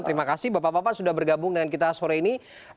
terima kasih bapak bapak sudah bergabung dengan kita sore ini